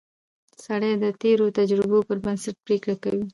سړی د تېرو تجربو پر بنسټ پریکړه کوي